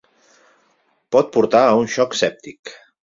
Pot portar a un xoc sèptic.